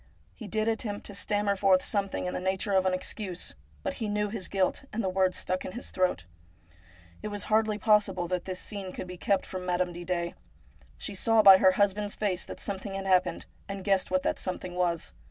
He did attempt to stammer forth something in the nature of an excuse, but he knew his guilt, and the words stuck in his throat. It was hardly possible that this scene could be kept from Madame Didet. She saw by her husband's face that some thing had happened, and guessed what that something was.